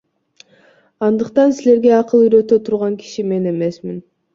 Андыктан силерге акыл үйрөтө турган киши мен эмесмин.